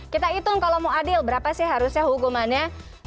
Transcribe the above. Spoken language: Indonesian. kita hitung kalau mau adil berapa sih harusnya hukumannya